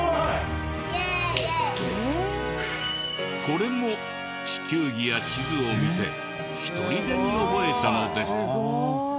これも地球儀や地図を見てひとりでに覚えたのです。